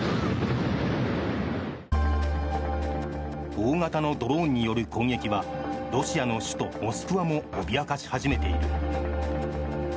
大型のドローンによる攻撃はロシアの首都モスクワも脅かし始めている。